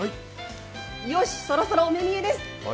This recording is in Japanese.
そろそろお目見えです。